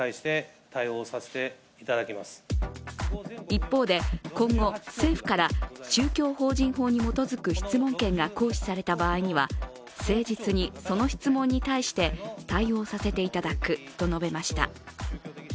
一方で今後、政府から宗教法人法に基づく質問権が行使された場合には誠実にその質問に対して対応させていただくと述べました。